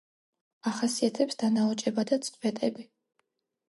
ახასიათებს დანაოჭება და წყვეტები.